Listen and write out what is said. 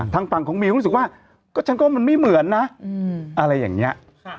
ทางฝั่งของมิวรู้สึกว่าก็ฉันก็มันไม่เหมือนนะอะไรอย่างนี้